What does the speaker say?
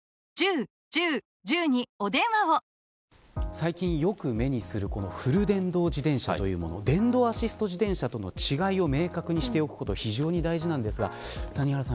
最近よく目にするこのフル電動自転車というもの電動アシスト自転車との違いを明確にしておくことが非常に大事です。